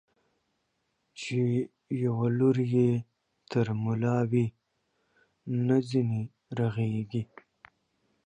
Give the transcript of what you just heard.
چي يو لور يې تر ملا وي، نه ځيني رغېږي.